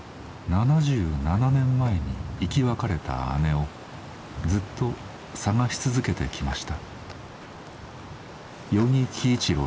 ７７年前に生き別れた姉をずっと捜し続けてきました。